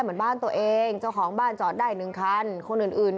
เหมือนบ้านตัวเองเจ้าของบ้านจอดได้หนึ่งคันคนอื่นอื่น